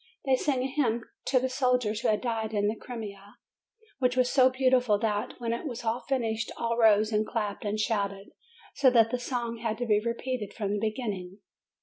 They sang a hymn to the soldiers who had died in the Crimea, which was so beautiful that, when it was finished, all rose and clapped and shouted, so that the song had to be repeated from the beginning.